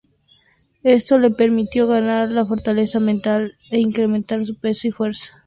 Esto le permitió ganar la fortaleza mental e incrementar su peso y fuerza.